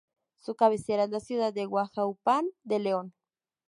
Su cabecera es la ciudad de Huajuapan de León.